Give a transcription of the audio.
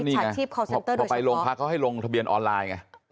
นี่ไงพอไปโรงพักเขาให้ลงทะเบียนออนไลน์ไง